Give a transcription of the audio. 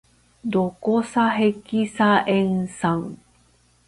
ドコサヘキサエン酸